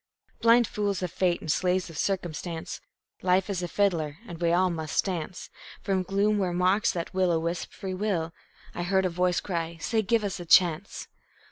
Blind fools of fate and slaves of circumstance, Life is a fiddler, and we all must dance. From gloom where mocks that will o' wisp, Free will I heard a voice cry: "Say, give us a chance."